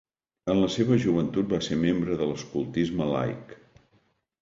En la seva joventut va ser membre de l'escoltisme laic.